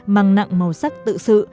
mang nặng màu sắc tự sự